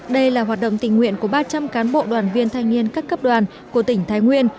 đây là hoạt động tình nguyện của ba trăm linh cán bộ đoàn viên thanh niên các cấp đoàn của tỉnh thái nguyên